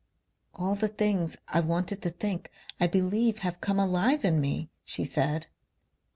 "All the things I wanted to think I believe have come alive in me," she said....